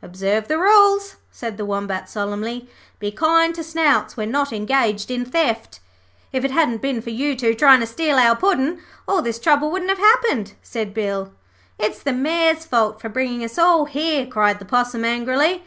'Observe the rules,' said the Wombat solemnly. 'Be kind to snouts when not engaged in theft.' 'If it hadn't been for you two tryin' to steal our Puddin' all this trouble wouldn't have happened,' said Bill. 'It's the Mayor's fault for bringing us all here,' cried the Possum, angrily.